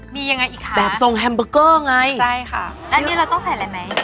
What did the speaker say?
มีอย่างไรอีกคะแบบทรงแฮมเบิ้อเกอร์ไงก็เอาใส่ไฟละไหม